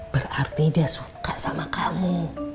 berarti dia suka sama kamu